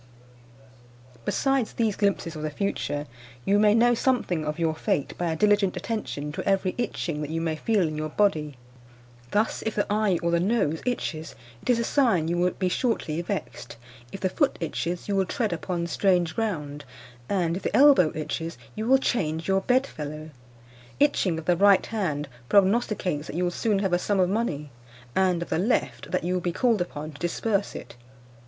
Besides these glimpses of the future, you may know something of your fate by a diligent attention to every itching that you may feel in your body. Thus, if the eye or the nose itches, it is a sign you will be shortly vexed; if the foot itches, you will tread upon strange ground; and if the elbow itches, you will change your bedfellow. Itching of the right hand prognosticates that you will soon have a sum of money; and, of the left, that you will be called upon to disburse it.